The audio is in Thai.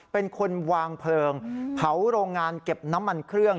เป็นคนวางเพลิงเผาโรงงานเก็บน้ำมันเครื่อง